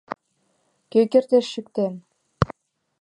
Кӧ кертеш чиктен?